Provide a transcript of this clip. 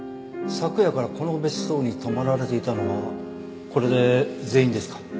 昨夜からこの別荘に泊まられていたのはこれで全員ですか？